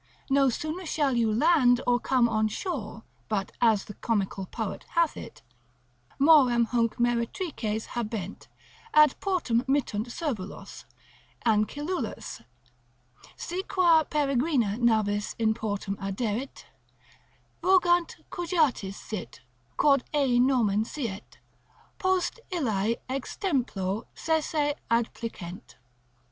No sooner shall you land or come on shore, but, as the Comical Poet hath it, Morem hunc meretrices habent, Ad portum mittunt servulos, ancillulas, Si qua peregrina navis in portum aderit, Rogant cujatis sit, quod ei nomen siet, Post illae extemplo sese adplicent.